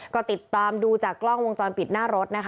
ก็ติดตามดูจากกล้องวงจรปิดหน้ารถนะคะ